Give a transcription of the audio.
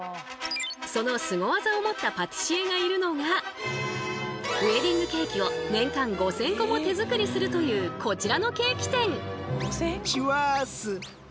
そのスゴ技を持ったパティシエがいるのがウエディングケーキを年間５０００個も手作りするというこちらのケーキ店。